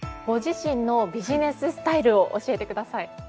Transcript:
ご自身のビジネススタイルを教えてください。